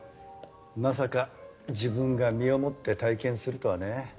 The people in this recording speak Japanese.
まさか自分が身をもって体験するとはね。